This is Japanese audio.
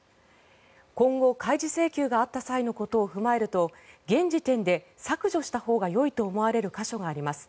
今後、開示請求があった際のことを踏まえると現時点で削除したほうがよいと思われる箇所があります。